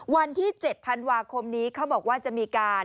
วันที่๗ธันวาคมนี้เขาบอกว่าจะมีการ